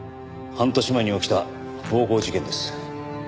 半年前に起きた暴行事件です。